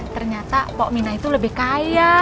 ternyata po aminah itu lebih kaya